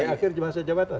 akhirnya masih jabatan